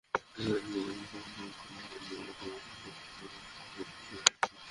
সুতরাং তিনি নিজের পানপাত্র বিনয়ামীনের মালপত্রের মধ্যে গোপনে রেখে দেয়ার জন্যে ভৃত্যদেরকে আদেশ দেন।